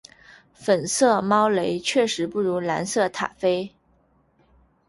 粉色猫雷确实不如蓝色塔菲